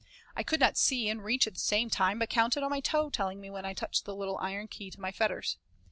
I could not see and reach at the same time, but counted on my toe telling me when I touched the little iron key to my fetters.